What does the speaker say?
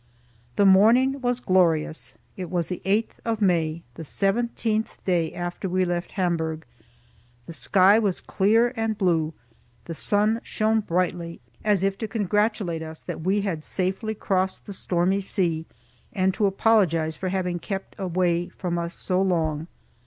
The morning was glorious. It was the eighth of May, the seventeenth day after we left Hamburg. The sky was clear and blue, the sun shone brightly, as if to congratulate us that we had safely crossed the stormy sea; and to apologize for having kept away from us so long.